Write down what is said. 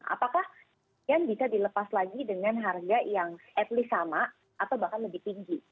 apakah yang bisa dilepas lagi dengan harga yang at least sama atau bahkan lebih tinggi